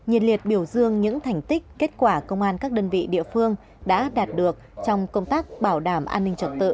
nhiệt liệt biểu dương những thành tích kết quả công an các đơn vị địa phương đã đạt được trong công tác bảo đảm an ninh trật tự